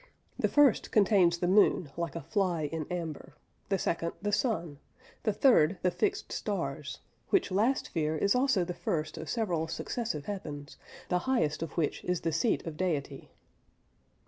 The first contains the moon like a fly in amber; the second, the sun; the third, the fixed stars; which last sphere is also the first of several successive heavens, the highest of which is the seat of Deity.